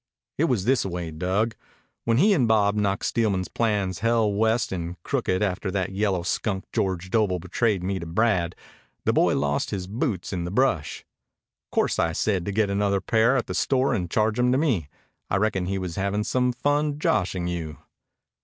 "It was thisaway, Dug. When he and Bob knocked Steelman's plans hell west and crooked after that yellow skunk George Doble betrayed me to Brad, the boy lost his boots in the brush. 'Course I said to get another pair at the store and charge 'em to me. I reckon he was havin' some fun joshin' you."